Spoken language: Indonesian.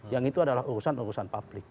yang itu adalah urusan urusan publik